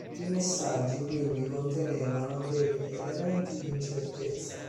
I messaggi quindi contenevano degli elementi di incertezza.